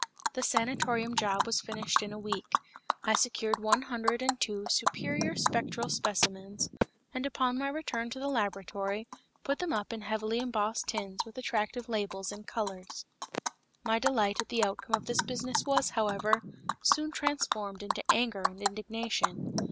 The sanatorium job was finished in a week. I secured one hundred and two superior spectral specimens, and upon my return to the laboratory, put them up in heavily embossed tins with attractive labels in colors. My delight at the outcome of this business was, however, soon transformed to anger and indignation.